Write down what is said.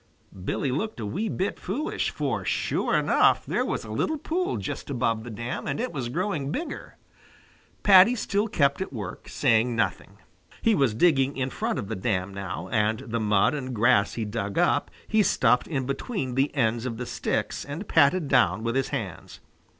Billy looked a wee bit foolish, for sure enough there was a little pool just above the dam, and it was growing bigger. Paddy still kept at work, saying nothing. He was digging in front of the dam now, and the mud and grass he dug up he stuffed in between the ends of the sticks and patted down with his hands.